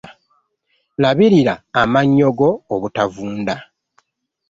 Labirira amannyo go obutavunda.